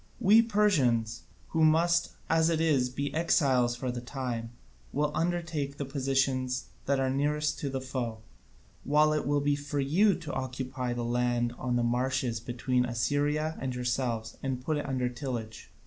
We Persians, who must, as it is, be exiles for the time, will undertake the positions that are nearest to the foe, while it will be for you to occupy the land on the marches between Assyria and yourselves and put it under tillage.